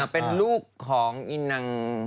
เป็นลูกของอินัง